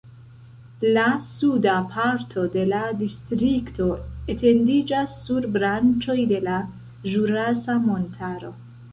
La suda parto de la distrikto etendiĝas sur branĉoj de la Ĵurasa Montaro.